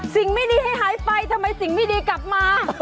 สิ่งไม่ดีให้หายไปทำไมสิ่งไม่ดีกลับมา